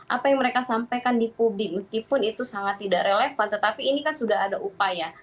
apa yang mereka sampaikan di publik meskipun itu sangat tidak relevan tetapi ini kan sudah ada upaya